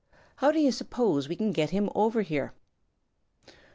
How do you suppose we can get him over here?"